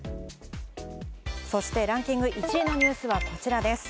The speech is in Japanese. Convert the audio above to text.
そしてランキング１位のニュースはこちらです。